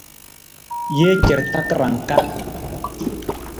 Jee car takarang ka.